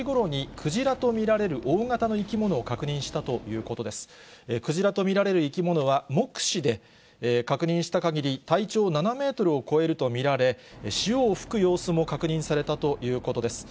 クジラと見られる生き物は目視で確認したかぎり、体長７メートルを超えると見られ、潮を吹く様子も確認されたということです。